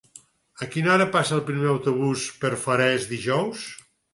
A quina hora passa el primer autobús per Forès dijous?